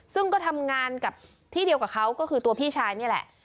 ซึ่งก็ทำงานกับที่เดียวกับเขาก็คือตัวพี่ชายนี่แหละ